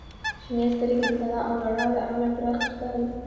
• شنې سترګې د ځلا او رڼا له امله پراخې ښکاري.